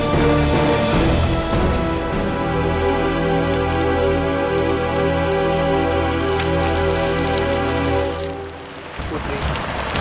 mas kau mau bikin apa